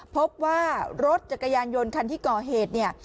พบว่ารถจักรยานยนต์คันที่ก่อเหตุเนี่ย